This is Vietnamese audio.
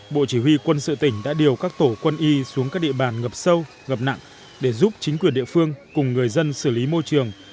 bộ chỉ huy quân sự tỉnh đã điều các tổ quân y xuống các địa bàn ngập sâu ngập nặng để giúp chính quyền địa phương cùng người dân xử lý môi trường